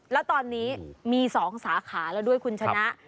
แล้วตอนนี้มี๒สาขาแล้วด้วยคุณชนะ